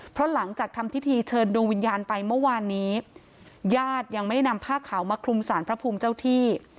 เพราะหลังจากทำพิธีเชิญดวงวิญญาณไปเมื่อวานนี้ญาติยังไม่นำผ้าขาวมาคลุมสารพระภูมิเจ้าที่